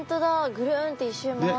ぐるんって一周回って。